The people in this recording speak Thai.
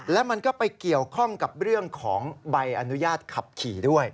และมันก็ไปเกี่ยวข้องกับเรื่องของใบอนุญาตขับขี่ด้วย